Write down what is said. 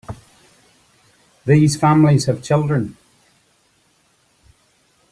These families have children.